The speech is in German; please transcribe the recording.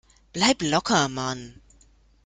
Bleib locker, Mann!